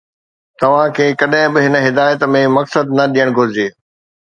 توهان کي ڪڏهن به هن هدايت ۾ مقصد نه ڏيڻ گهرجي